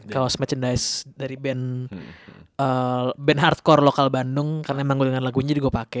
kaos mechandise dari band hardcore lokal bandung karena emang gue dengan lagunya jadi gue pakai